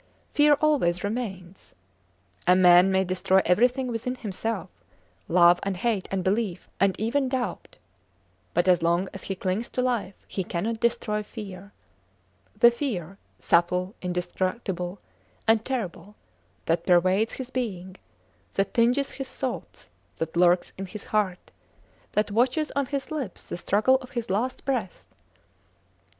Fear always remains. A man may destroy everything within himself, love and hate and belief, and even doubt; but as long as he clings to life he cannot destroy fear: the fear, subtle, indestructible, and terrible, that pervades his being; that tinges his thoughts; that lurks in his heart; that watches on his lips the struggle of his last breath.